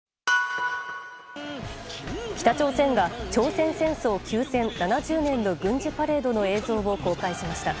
北朝鮮が朝鮮戦争休戦７０年の軍事パレードの映像を公開しました。